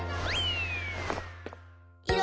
「いろ